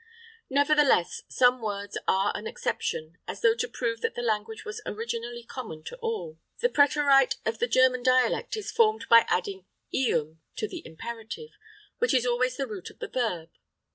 Nevertheless, some words are an exception, as though to prove that the language was originally common to all. The preterite of the German dialect is formed by adding ium to the imperative, which is always the root of the verb.